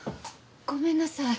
ごめんなさい。